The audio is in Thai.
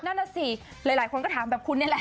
นั่นน่ะสิหลายคนก็ถามแบบคุณนี่แหละ